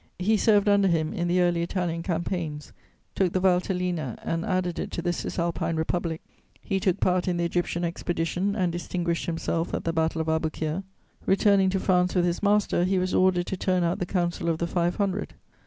He served under him in the early Italian campaigns, took the Valtellina and added it to the Cisalpine Republic; he took part in the Egyptian Expedition and distinguished himself at the Battle of Abukir. Returning to France with his master, he was ordered to turn out the Council of the Five Hundred.